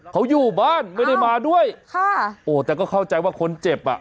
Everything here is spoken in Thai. เขาอยู่บ้านไม่ได้มาด้วยค่ะโอ้แต่ก็เข้าใจว่าคนเจ็บอ่ะ